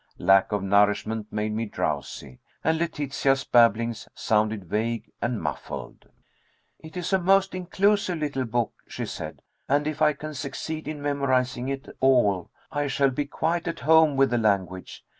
Lack of nourishment made me drowsy, and Letitia's babblings sounded vague and muffled. "It is a most inclusive little book," she said, "and if I can succeed in memorizing it all I shall be quite at home with the language.